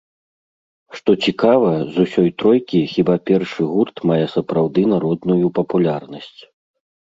Што цікава, з усёй тройкі хіба першы гурт мае сапраўды народную папулярнасць.